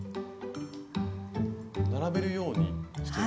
並べるようにしていく。